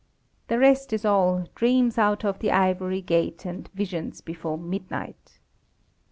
The rest is all "dreams out of the ivory gate, and visions before midnight."